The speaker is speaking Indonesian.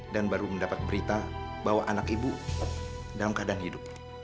baru mendapat berita bahwa anak ibu dalam keadaan hidup